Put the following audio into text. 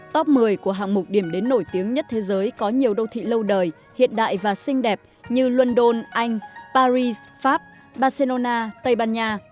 top một mươi của hạng mục điểm đến nổi tiếng nhất thế giới có nhiều đô thị lâu đời hiện đại và xinh đẹp như london anh paris pháp barcelona tây ban nha